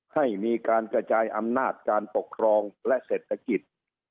ให้มีการกระจายอำนาจการปกครองและเศรษฐกิจ